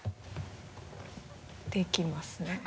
できますね。